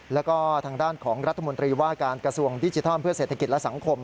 แล้วก็ทางด้านของรัฐมนตรีว่าการกระทรวงดิจิทัลเพื่อเศรษฐกิจและสังคม